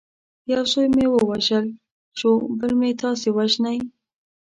یو زوی مې ووژل شو بل مې تاسي وژنئ.